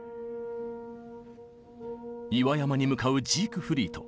岩山に向かうジークフリート。